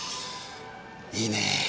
いいねぇ。